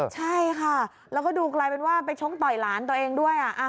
ใช่ค่ะแล้วก็ดูกลายเป็นว่าไปชกต่อยหลานตัวเองด้วย